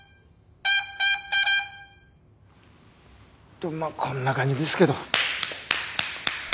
とまあこんな感じですけど。